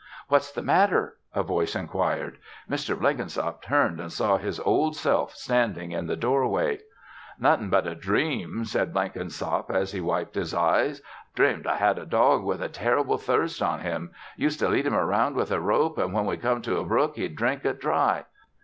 "What's the matter?" a voice inquired. Mr. Blenkinsop turned and saw his Old Self standing in the doorway. "Nothin' but a dream," said Blenkinsop as he wiped his eyes. "Dreamed I had a dog with a terrible thirst on him. Used to lead him around with a rope an' when we come to a brook he'd drink it dry.